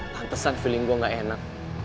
lantasan feeling gue gak enak